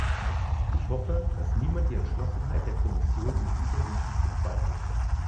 Ich hoffe, dass niemand die Entschlossenheit der Kommission in dieser Hinsicht bezweifelt.